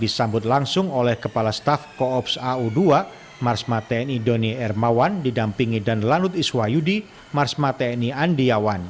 ditambut langsung oleh kepala staff koops au dua mars mateni doni ermawan didampingi dan lanut iswah yudi mars mateni andiawan